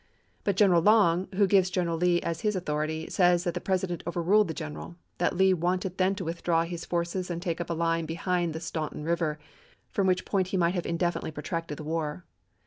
But General Long, who gives General Lee as his authority, says that the President overruled the general; that Lee wanted then to withdraw his forces and take up a line behind the Staunton River, from which point he might have indef initely protracted the war.